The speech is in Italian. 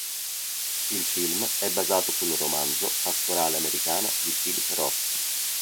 Il film è basato sul romanzo "Pastorale americana" di Philip Roth.